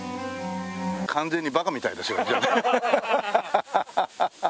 完全にバカみたいですよ。